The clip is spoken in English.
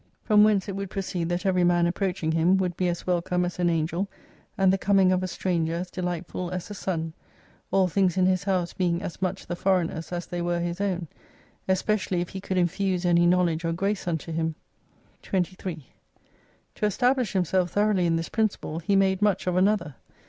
From whence it would proceed that every man approaching him, would be as welcome as an Angel, and the coming of a stranger as delightful as the Sun ; all things in his house being as much the foreigner's as they were his own : Especially if he could infuse any knowledge or grace unto him. 23 To establish himself thoroughly in this principle, he made much of another.